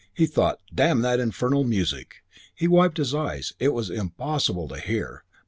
He thought, "Damn that infernal music." He wiped his eyes. This was impossible to bear